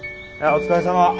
お疲れさまです。